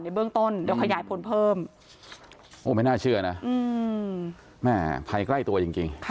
ในเบื้องต้นเดี๋ยวขยายผลเพิ่ม